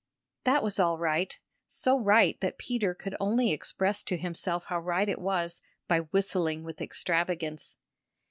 That was all right so right that Peter could only express to himself how right it was by whistling with extravagance.